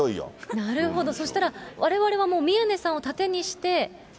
そうしたら、われわれはもう宮根さんを盾にして。